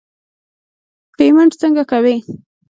پیمنټ څنګه کوې.